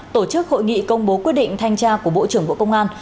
tổ chức hội nghị công bố quyết định thanh tra của bộ trưởng bộ công an